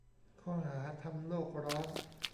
ข้อหา : ทำโลกร้อน.